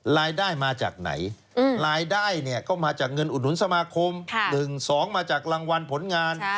รายได้มาจากไหนรายได้เนี่ยก็มาจากเงินอุดหนุนสมาคม๑๒มาจากรางวัลผลงาน